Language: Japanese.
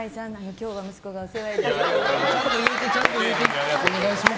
今日は息子がお世話になります。